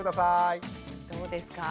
どうですか？